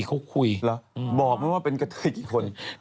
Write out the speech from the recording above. ก็บอกว่าเป็นกระเตยกี่คน